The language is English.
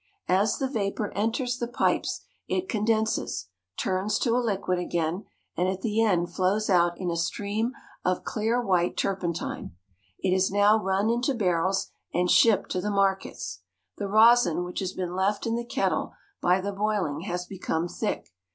As the vapor enters the pipes it condenses, turns to a liquid again, and at the end flows out in a stream of clear white turpentine. It is now run into barrels, and shipped to the markets. The rosin which has been left in the kettle by the boiling has become thick.